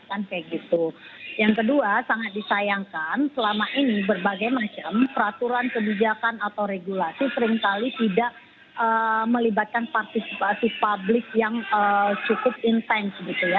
kan kayak gitu yang kedua sangat disayangkan selama ini berbagai macam peraturan kebijakan atau regulasi seringkali tidak melibatkan partisipasi publik yang cukup intens gitu ya